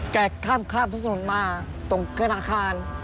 แกข้ามถนนมาตรงข้างข้าง